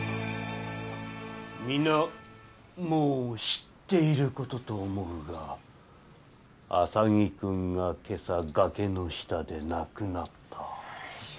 皆もう知っている事と思うが浅木くんが今朝崖の下で亡くなった。